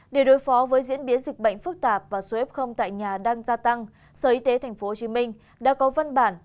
để đối phó với diễn biến dịch bệnh phức tạp và số f tại nhà đang gia tăng sở y tế tp hcm đã có văn bản